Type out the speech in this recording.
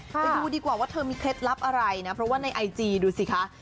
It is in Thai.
ไปดูดีกว่าว่าเธอมีเคล็ดลับอะไรนะเพราะว่าในไอจีดูสิคะ